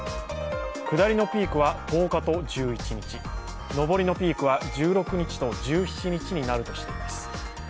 下りのピークは１０日と１１日上りのピークは１６日と１７日になるとしています。